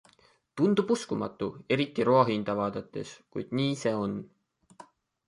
Tundub uskumatu, eriti roa hinda vaadates, kuid nii see on.